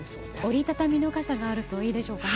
折り畳みの傘があるといいでしょうか。